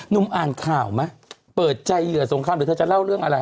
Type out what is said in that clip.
นุมอ่านข่าวไหมเปิดใจเหยื่อสงครามเดี๋ยวจะเล่าเรื่องอะไร